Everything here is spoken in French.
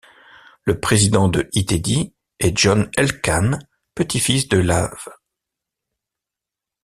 Le Président de Itedi est John Elkann, petit-fils de l'Av.